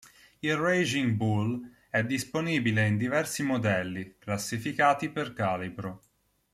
Il Raging Bull è disponibile in diversi modelli, classificati per calibro.